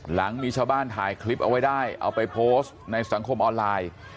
หลังมีชาวบ้านถ่ายคลิปเอาไว้ได้เอาไปโพสต์ในสังคมออนไลน์